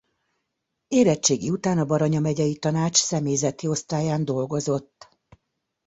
Érettségi után a Baranya megyei Tanács Személyzeti Osztályán dolgozott.